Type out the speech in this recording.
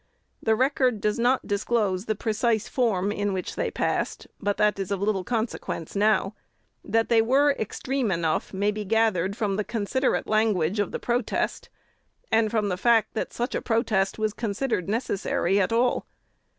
The record does not disclose the precise form in which they passed; but that is of little consequence now. That they were extreme enough may be gathered from the considerate language of the protest, and from the fact that such a protest was considered necessary at all.